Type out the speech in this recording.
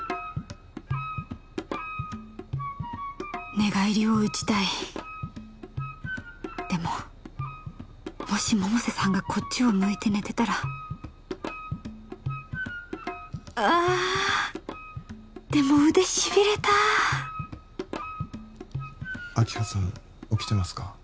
寝返りを打ちたいでももし百瀬さんがこっちを向いて寝てたらああでも腕しびれた明葉さん起きてますか？